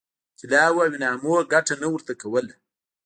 طلاوو او انعامونو ګټه نه ورته کوله.